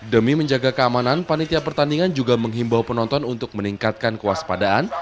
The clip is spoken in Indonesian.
demi menjaga keamanan panitia pertandingan juga menghimbau penonton untuk meningkatkan kewaspadaan